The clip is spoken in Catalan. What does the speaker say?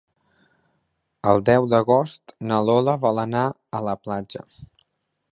El deu d'agost na Lola vol anar a la platja.